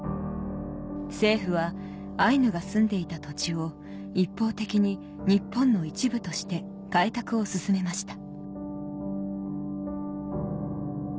政府はアイヌが住んでいた土地を一方的に日本の一部として開拓を進めました